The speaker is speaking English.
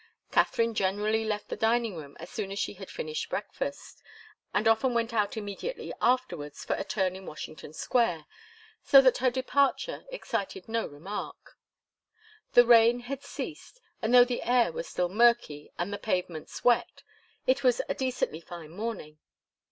Katharine generally left the dining room as soon as she had finished breakfast, and often went out immediately afterwards for a turn in Washington Square, so that her departure excited no remark. The rain had ceased, and though the air was still murky and the pavements wet, it was a decently fine morning.